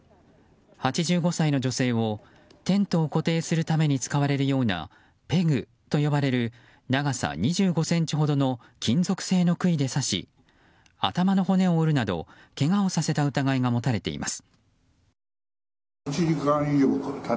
８５歳の女性をテントを固定するために使われるようなペグと呼ばれる長さ２５ｃｍほどの金属製の杭で刺し頭の骨を折るなどけがをさせた疑いが持たれています。